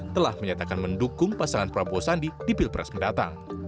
telah menyatakan mendukung pasangan prabowo sandi di pilpres mendatang